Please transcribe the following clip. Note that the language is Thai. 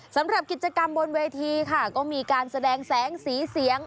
สำหรับกิจกรรมบนเวทีค่ะก็มีการแสดงแสงสีเสียง